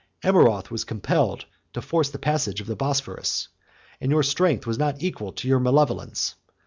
Amurath was compelled to force the passage of the Bosphorus; and your strength was not equal to your malevolence.